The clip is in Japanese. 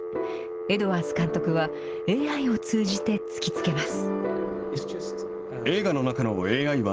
エドワーズ監督は、ＡＩを通じて突きつけます。